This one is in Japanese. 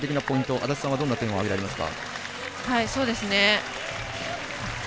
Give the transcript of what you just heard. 安達さんはどんな点を挙げられますか？